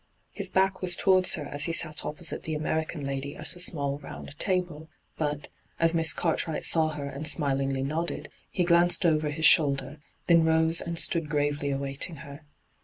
His back was towards her as he sat opposite the American lady at a small round table ; but, as Miss Cartwright saw her and smihngly nodded, he glanced over his shoulder, then rose and stood gravely awaiting her.